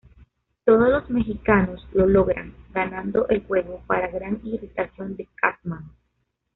Todos los "mexicanos" lo logran, ganando el juego, para gran irritación de Cartman.